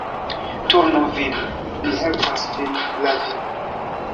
Turnu vin, mi helpas vin lavi.